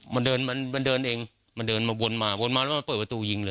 มันเดินมันมันเดินเองมันเดินมาวนมาวนมาแล้วมันเปิดประตูยิงเลย